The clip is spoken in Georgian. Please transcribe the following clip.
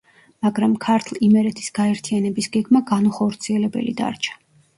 მაგრამ ქართლ-იმერეთის გაერთიანების გეგმა განუხორციელებელი დარჩა.